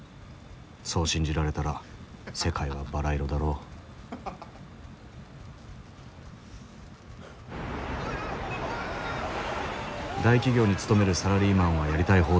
そう信じられたら世界はバラ色だろう大企業に勤めるサラリーマンはやりたい放題だ。